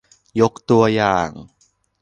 ยกตัวอย่าง